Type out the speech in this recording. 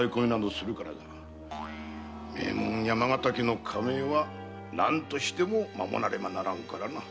名門・山形家の家名は何としても守らねばならぬからな。